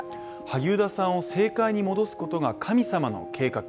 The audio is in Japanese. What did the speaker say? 萩生田さんを政界に戻すことが、神様の計画。